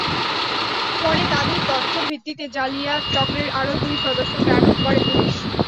পরে তাঁদের তথ্যের ভিত্তিতে জালিয়াত চক্রের আরও দুই সদস্যকে আটক করে পুলিশ।